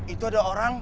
itu ada orang